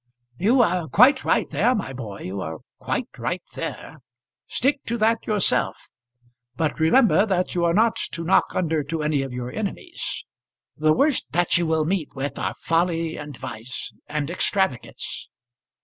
"You are quite right there, my boy; you are quite right there. Stick to that yourself. But, remember, that you are not to knock under to any of your enemies. The worst that you will meet with are folly, and vice, and extravagance."